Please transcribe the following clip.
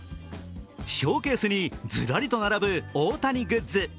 ショーケースにずらりと並ぶ大谷グッズ。